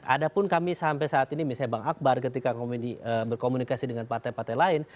ada pun kami sampai saat ini misalnya bang akbar ketika berkomunikasi dengan partai partai lain